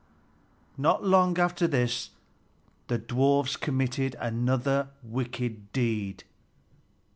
Not long after this the dwarfs committed another wicked deed.